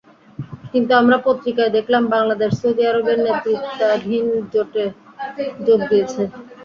কিন্তু আমরা পত্রিকায় দেখলাম বাংলাদেশ সৌদি আরবের নেতৃত্বাধীন জোটে যোগ দিয়েছে।